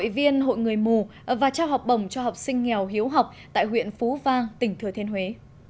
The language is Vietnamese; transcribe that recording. hội viên hội người mù và trao học bổng cho học sinh nghèo hiếu học tại huyện phú vang tỉnh thừa thiên huế